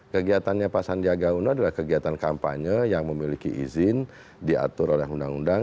kegiatannya pak sandiaga uno adalah kegiatan kampanye yang memiliki izin diatur oleh undang undang